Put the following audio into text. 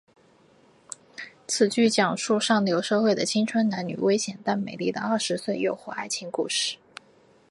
此剧讲述上流社会的青春男女危险但美丽的二十岁诱惑爱情故事。